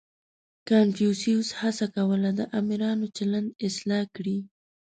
• کنفوسیوس هڅه کوله، د آمرانو چلند اصلاح کړي.